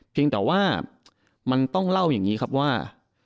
เพียงแต่ว่ามันต้องเล่าอย่างนี้ครับว่า